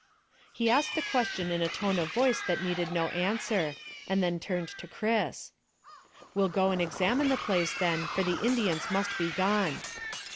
He asked the question in a tone of voice that needed no answer, and then turned to Chris. "We'll go and examine the place, then, for the Indians must be gone."